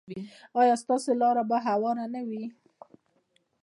ایا ستاسو لاره به هواره نه وي؟